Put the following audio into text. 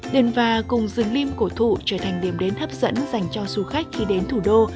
đền và cùng rừng lim cổ thụ trở thành điểm đến hấp dẫn dành cho du khách khi đến thủ đô